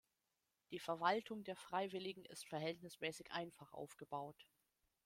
Die Verwaltung der Freiwilligen ist verhältnismäßig einfach aufgebaut.